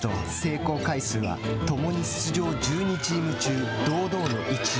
成功率と成功回数はともに出場１２チーム中堂々の１位。